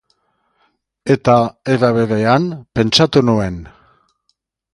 Eta era berean, pentsatu nuen.